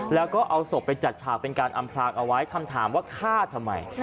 แล้วก็เอาศพไปจัดฉากเป็นการอำพลางเอาไว้คำถามว่าฆ่าทำไม